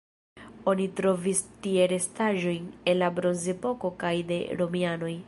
Oni trovis tie restaĵojn el la bronzepoko kaj de romianoj.